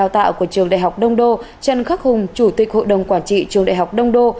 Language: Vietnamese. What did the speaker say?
trần khắc hùng chủ tịch hội đồng quản trị trường đại học đông đô